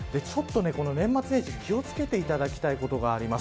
年末年始、気を付けていただきたいことがあります。